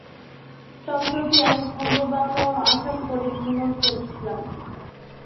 সম্প্রতি আমি পূর্ববাঙলা ও আসাম পরিভ্রমণ করছিলাম।